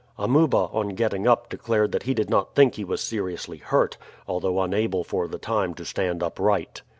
Amuba on getting up declared that he did not think he was seriously hurt, although unable for the time to stand upright.